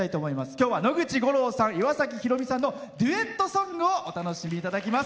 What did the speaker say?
今日は野口五郎さん岩崎宏美さんのデュエットソングをお楽しみいただきます。